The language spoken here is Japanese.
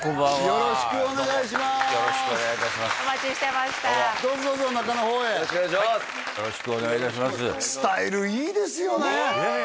よろしくお願いいたしますスタイルいいですよねねえ